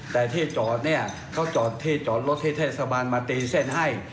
แต่ที่จอดเนี่ยเขาจอดที่จอดรถที่เทศบาลมาตีเส้นให้